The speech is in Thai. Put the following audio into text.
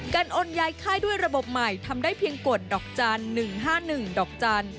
การอ่วนย้ายค่ายด้วยระบบใหม่ทำได้เพียงกฎดอกจาน๑๕๑ดอกจาน